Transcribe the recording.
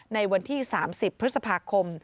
ในวันที่๓๐พฤษภาคม